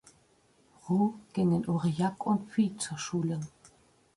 Roux ging in Aurillac und Puy zur Schule.